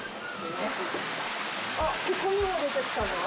あっ、ここにも出てきたの？